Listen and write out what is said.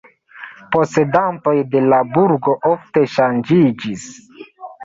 Posedantoj de la burgo ofte ŝanĝiĝis.